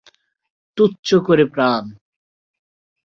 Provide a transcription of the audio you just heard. তুচ্ছ করে প্রান!